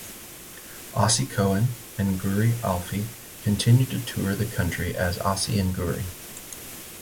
Asi Cohen and Guri Alfi continued to tour the country as "Asi and Guri".